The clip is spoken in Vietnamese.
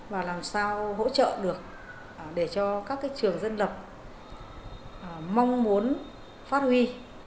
và làm sao hỗ trợ được để cho các trường dân lập mong muốn phát huy